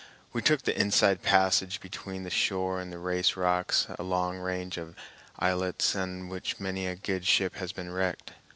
We took the inside passage between the shore and Race Rocks, a long range of islets on which many a good ship has been wrecked.